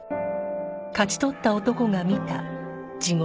勝ち取った男が見た地獄